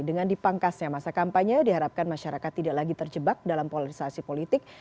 dengan dipangkasnya masa kampanye diharapkan masyarakat tidak lagi terjebak dalam polarisasi politik